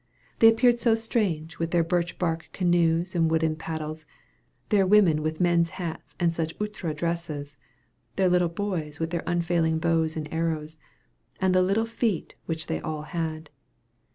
They appeared so strange, with their birch bark canoes and wooden paddles, their women with men's hats and such outre dresses, their little boys with their unfailing bows and arrows, and the little feet which they all had.